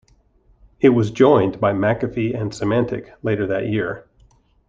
It was joined by McAfee and Symantec later that year.